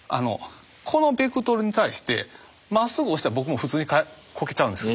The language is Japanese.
このベクトルに対してまっすぐ押したら僕も普通にこけちゃうんですよ。